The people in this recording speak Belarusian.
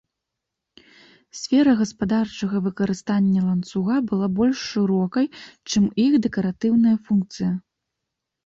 Сфера гаспадарчага выкарыстання ланцуга была больш шырокай, чым іх дэкаратыўная функцыя.